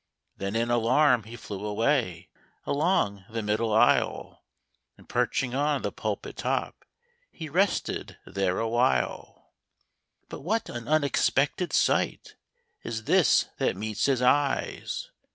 Then in alarm he flew away Along the middle aisle, And perching on the pulpit top He rested there awhile. But what an unexpected sight Is this that meets his eyes